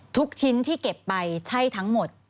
ทุกชิ้นที่เก็บไปใช่ทั้งหมด